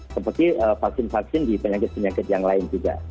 seperti vaksin vaksin di penyakit penyakit yang lain juga